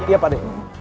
iya pak d